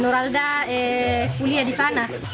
nur alda kuliah di sana